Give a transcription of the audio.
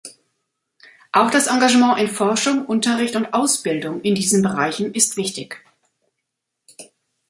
Auch das Engagement in Forschung, Unterricht und Ausbildung in diesen Bereichen ist wichtig.